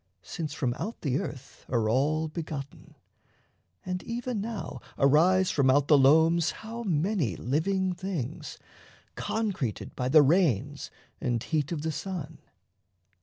since from out the earth Are all begotten. And even now arise From out the loams how many living things Concreted by the rains and heat of the sun.